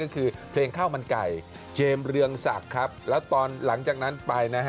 ก็คือเพลงข้าวมันไก่เจมส์เรืองศักดิ์ครับแล้วตอนหลังจากนั้นไปนะฮะ